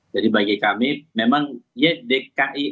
jadi bagi kami memang ydk ini